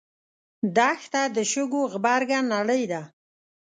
دښته د شګو غبرګه نړۍ ده.